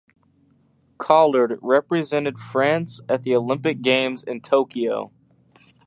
Collard represented France at the Olympic Games in Tokyo.